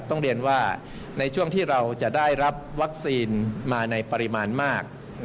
ต้องเรียนว่าในช่วงที่เราจะได้รับวัคซีนมาในปริมาณมาก